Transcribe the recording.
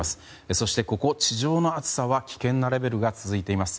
そして、地上の暑さは危険なレベルが続いています。